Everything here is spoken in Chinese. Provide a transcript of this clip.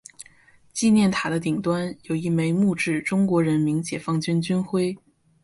纪念塔的顶端有一枚木质中国人民解放军军徽。